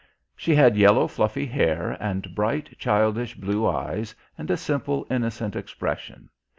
She had yellow fluffy hair and bright childish blue eyes and a simple, innocent expression.